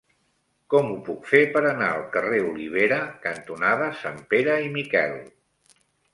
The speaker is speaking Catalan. Com ho puc fer per anar al carrer Olivera cantonada Sanpere i Miquel?